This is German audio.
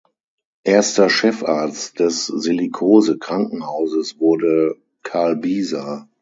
Erster Chefarzt des Silikose-Krankenhauses wurde "Karl Bisa".